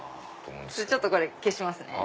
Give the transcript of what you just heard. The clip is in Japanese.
ちょっとこれ消しますね。